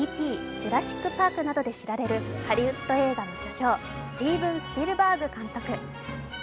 「ジュラシック・パーク」などで知られるハリウッド映画の巨匠、スティーヴン・スピルバーグ監督。